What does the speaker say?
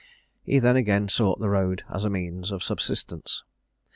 He then again sought the road as a means of subsistence.